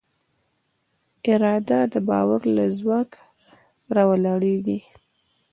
اراده د باور له ځواک راولاړېږي.